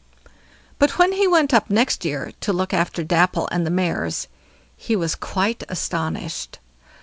But when he went up next year to look after Dapple and the mares, he was quite astonished.